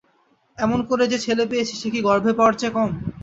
এমন করে যে ছেলে পেয়েছি সে কি গর্ভে পাওয়ার চেয়ে কম।